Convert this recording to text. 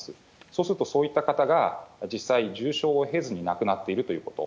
そうすると、そういった方が実際、重症を経ずに亡くなっているということ。